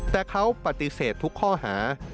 แต่เขาปฏิเสธทุกข้อหา